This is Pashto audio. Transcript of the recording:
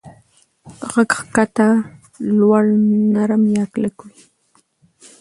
غږ کښته، لوړ، نرم یا کلک وي.